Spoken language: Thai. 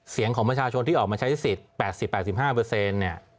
เสียงของประชาชนที่ออกมาใช้สิทธิ์๘๐๘๕เนี่ย